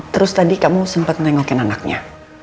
terus tadi kamu sempet nengokin anaknya